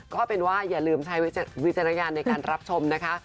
ก็เป็นว่าอย่าลืมใช้วิจารณญาณในการรับชมนะคะ